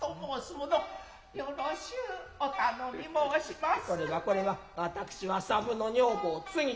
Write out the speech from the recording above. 何うぞよろしうお頼み申します。